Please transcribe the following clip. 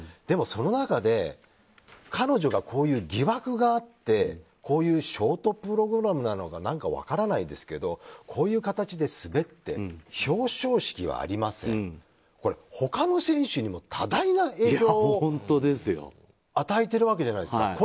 でも、その中で彼女がこういう疑惑があってこういうショートプログラムなのか何か分からないですけどこういう形で滑って表彰式はありませんって他の選手にも多大な影響を与えてるわけじゃないですか。